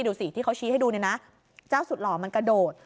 ดูสิที่เขาชี้ให้ดูเนี่ยนะเจ้าสุดหล่อมันกระโดด